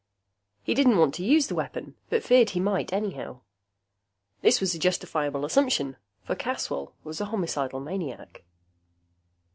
He didn't want to use the weapon, but feared he might anyhow. This was a justifiable assumption, for Caswell was a homicidal maniac.